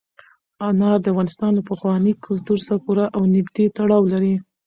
انار د افغانستان له پخواني کلتور سره پوره او نږدې تړاو لري.